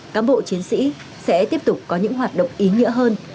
cám bộ chiến sĩ sẽ tiếp tục có những hoạt động ý nghĩa hơn